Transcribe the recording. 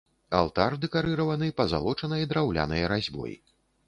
Алтар дэкарыраваны пазалочанай драўлянай разьбой.